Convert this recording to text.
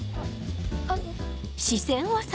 あの。